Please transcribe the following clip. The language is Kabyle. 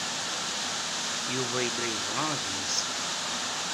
Yuba yella yebɣa ad iyi-yessen.